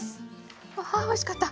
わおいしかった。